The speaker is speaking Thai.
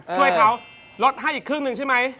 ช่วยเขาลดให้อีกครึ่งหนึ่งใช่ไหม